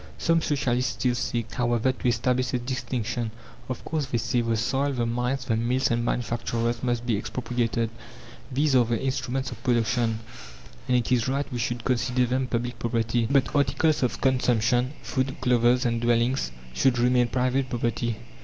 Some Socialists still seek, however, to establish a distinction. "Of course," they say, "the soil, the mines, the mills, and manufacturers must be expropriated, these are the instruments of production, and it is right we should consider them public property. But articles of consumption food, clothes, and dwellings should remain private property."